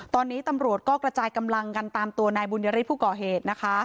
ตอนนี้ตำรวจก็กระจายกำลังกันตามตัวนายบุญยฤทธิผู้ก่อเหตุนะคะ